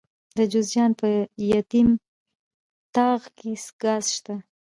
د جوزجان په یتیم تاغ کې ګاز شته.